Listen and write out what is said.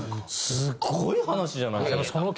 すごい話じゃないですか。